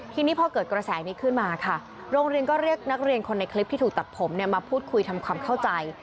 ทีนี้พอเกิดกระแสนี้ขึ้นมาค่ะโรงเรียนก็เรียกนักเรียนคนในคลิปที่ถูกตัดผมมาพูดคุยทำความเข้าใจ